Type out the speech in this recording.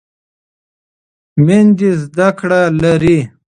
میندې زده کړه لري.